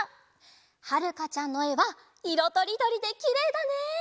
はるかちゃんのえはいろとりどりできれいだね！